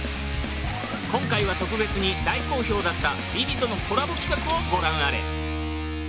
今回は特別に大好評だった『ＶｉＶｉ』とのコラボ企画をご覧あれ